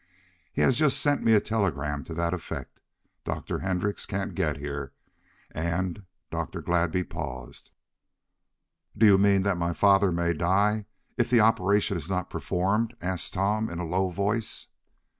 He has just sent me a telegram to that effect. Dr. Hendrix can't get here, and..." Dr. Gladby paused. "Do you mean that my father may die if the operation is not performed?" asked Tom, in a low voice.